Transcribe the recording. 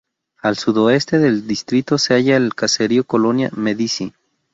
Al sudoeste del distrito se halla el caserío Colonia Medici.